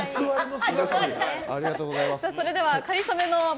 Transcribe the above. おめでとうございます！